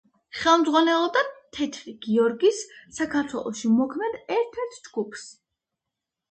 ხელმძღვანელობდა „თეთრი გიორგის“ საქართველოში მოქმედ ერთ-ერთ ჯგუფს.